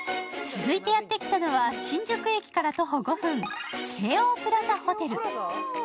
続いてやってきたのは新宿駅から徒歩５分、京王プラザホテル。